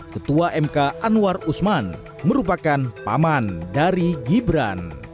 ketua mk anwar usman merupakan paman dari gibran